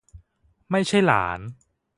ไม่ใช่หลาน